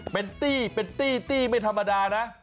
เป็นตี้ไม่ธรรมดานะ